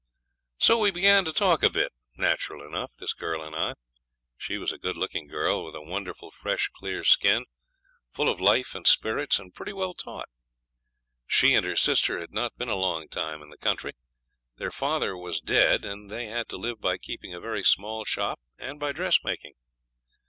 So we began to talk a bit natural enough this girl and I. She was a good looking girl, with a wonderful fresh clear skin, full of life and spirits, and pretty well taught. She and her sister had not been a long time in the country; their father was dead, and they had to live by keeping a very small shop and by dressmaking.